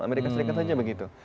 amerika serikat saja begitu